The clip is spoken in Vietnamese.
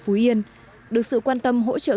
phú yên được sự quan tâm hỗ trợ